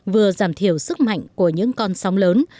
vừa giảm thiểu sức mạnh của những con sóng lớn